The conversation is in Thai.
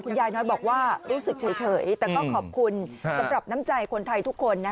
ยายน้อยบอกว่ารู้สึกเฉยแต่ก็ขอบคุณสำหรับน้ำใจคนไทยทุกคนนะ